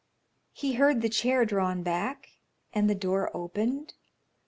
He heard the chair drawn back, and the door opened.